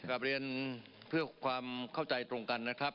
กลับเรียนเพื่อความเข้าใจตรงกันนะครับ